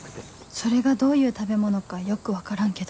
それがどういう食べ物かよく分からんけど